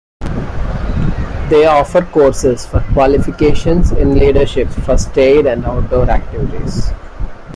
They offer courses for qualifications in leadership, first aid and outdoor activities.